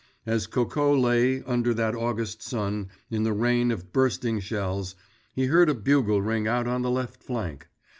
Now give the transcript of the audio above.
As Coco lay, under that August sun, in the rain of bursting shells, he heard a bugle ring out on the left flank.